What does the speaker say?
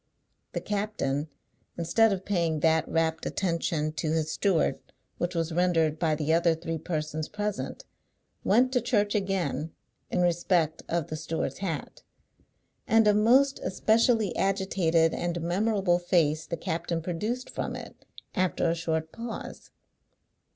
The captain, instead of paying that rapt attention to his steward which was rendered by the other three persons present, went to Church again, in respect of the steward's hat. And a most especially agitated and memorable face the captain produced from it, after a short pause.